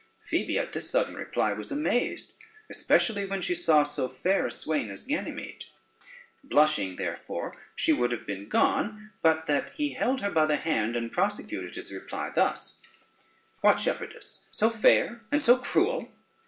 Phoebe at this sudden reply was amazed, especially when she saw so fair a swain as Ganymede; blushing therefore, she would have been gone, but that he held her by the hand, and prosecuted his reply thus: "What, shepherdess, so fair and so cruel?